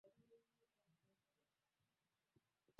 Mkutano huu ulipelekea kuanzishwa kwa Shirikisho la Kandanda